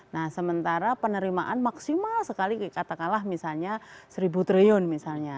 nah sementara penerimaan maksimal sekali katakanlah misalnya satu triliun misalnya